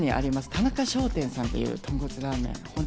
田中商店さんというラーメン屋さん